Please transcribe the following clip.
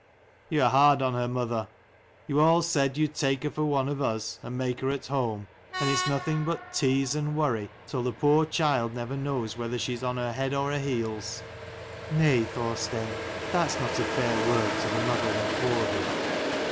" You are hard on her, mother. You all said you'd take her for one of us, and make her at home. And its nothing but tease and worry, till the poor child never knows whether she's on her head or her heels." " Nay, Thorstein : that's not a fair word to the mother that bore thee.